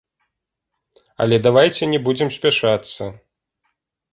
Але давайце не будзем спяшацца.